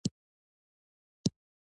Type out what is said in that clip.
دا دوولس کیږي